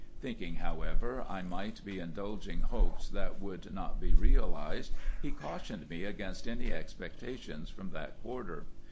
Thinking, however, I might be indulging hopes that would not be realised, he cautioned me against any expectations from that quarter.